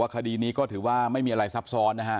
ก็ถือว่าไม่มีอะไรซับซ้อนนะฮะ